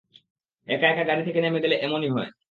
একা একা গাড়ি থেকে নেমে গেলে এমনি হয়।